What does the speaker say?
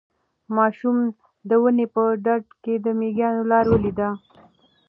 ماشوم د ونې په ډډ کې د مېږیانو لاره ولیده.